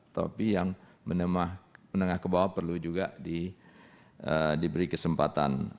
tapi yang menengah ke bawah perlu juga diberi kesempatan